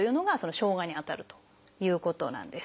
生姜にあたるということなんです。